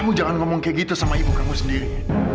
kamu jangan ngomong kayak gitu sama ibu kamu sendiri